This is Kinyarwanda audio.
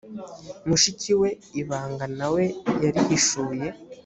mushiki we ibanga na we yarihishuye.